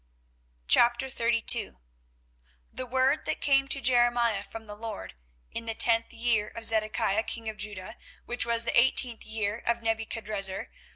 24:032:001 The word that came to Jeremiah from the LORD in the tenth year of Zedekiah king of Judah, which was the eighteenth year of Nebuchadrezzar.